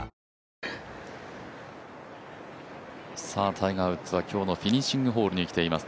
タイガー・ウッズは今日のフィニッシングホールに来ています